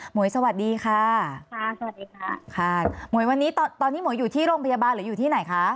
หวยสวัสดีค่ะค่ะสวัสดีค่ะค่ะหมวยวันนี้ตอนนี้หมวยอยู่ที่โรงพยาบาลหรืออยู่ที่ไหนคะ